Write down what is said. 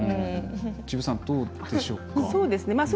治部さん、どうでしょうか。